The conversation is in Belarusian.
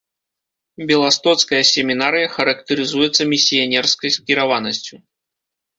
Беластоцкая семінарыя характарызуецца місіянерскай скіраванасцю.